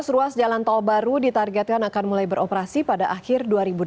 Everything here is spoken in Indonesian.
dua ratus ruas jalan tol baru ditargetkan akan mulai beroperasi pada akhir dua ribu delapan belas